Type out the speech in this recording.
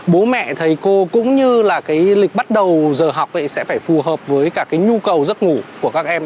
bố mẹ thầy cô cũng như là cái lịch bắt đầu giờ học sẽ phải phù hợp với cả cái nhu cầu giấc ngủ của các em